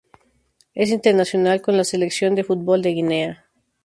Es internacional con la selección de fútbol de Guinea.